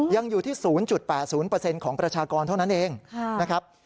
ยังอยู่ที่๐๘๐ของประชากรเท่านั้นเองนะครับ